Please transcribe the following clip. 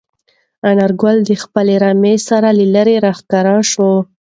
انارګل د خپلې رمې سره له لیرې راښکاره شو.